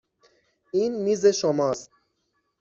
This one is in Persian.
این میز شماست.